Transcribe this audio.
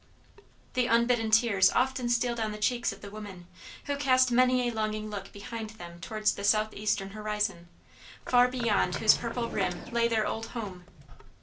The unbidden tears often steal down the cheeks of the women, who cast many a longing look behind them towards the southeastern horizon, far beyond whose purple rim lay their old home.